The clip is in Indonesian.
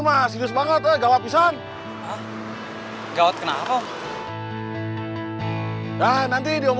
ya sudah pistol sip itu